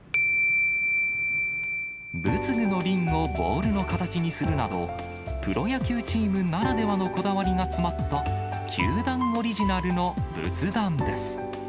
仏具の鈴をボールの形にするなど、プロ野球チームならではのこだわりが詰まった、球団オリジナルの仏壇です。